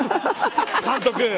監督。